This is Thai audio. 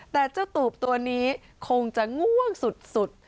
แต่เจ้าตูบตัวนี้คงจะง่วงสุด